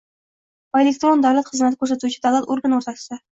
va elektron davlat xizmati ko‘rsatuvchi davlat organi o‘rtasida